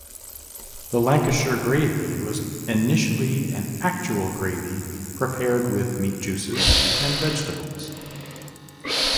The "Lancashire Gravy" was initially an actual gravy prepared with meat juices and vegetables.